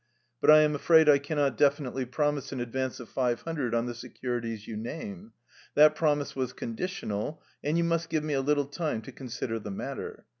But I am afraid I cannot definitely promise an advance of five hundred on the securities you name. That promise was conditional, and you must give me a little time to consider the matter.